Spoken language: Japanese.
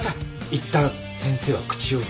いったん先生は口を慎むと。